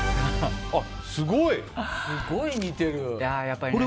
すごい似てる！